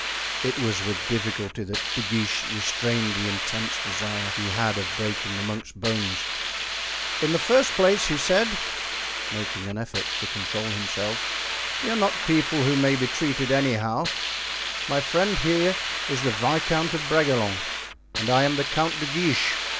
It was with difficulty that De Guiche restrained the intense desire he had of breaking the monk's bones. "In the first place," he said, making an effort to control himself, "we are not people who may be treated anyhow; my friend there is the Viscount of Bragelonne and I am the Count de Guiche.